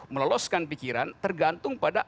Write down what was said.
meloloskan pikiran tergantung pada